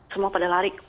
semua pada lari